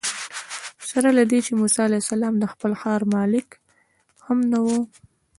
سره له دې چې موسی علیه السلام د خپل ښار ملک هم نه و.